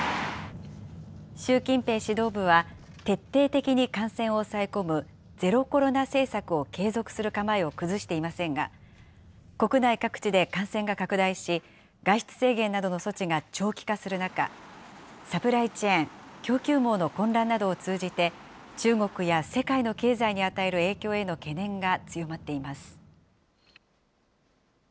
習近平指導部は、徹底的に感染を抑え込む、ゼロコロナ政策を継続する構えを崩していませんが、国内各地で感染が拡大し、外出制限などの措置が長期化する中、サプライチェーン・供給網の混乱などを通じて、中国や世界の経済に与える影響への懸念が強まっています。